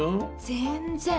全然。